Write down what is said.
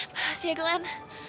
makasih ya glenn